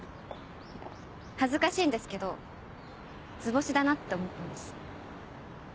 恥ずかしいんですけど図星だなって思ったんです。